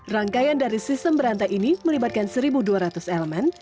rangkaian dari sistem berantai ini melibatkan satu dua ratus elemen